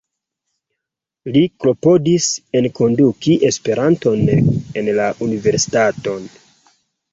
Li klopodis enkonduki Esperanton en la universitaton.